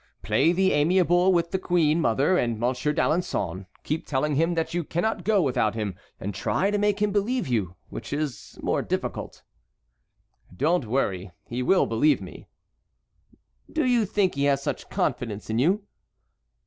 Play the amiable with the queen mother and Monsieur d'Alençon; keep telling him that you cannot go without him, and try to make him believe you, which is more difficult." "Do not worry, he will believe me." "Do you think he has such confidence in you?"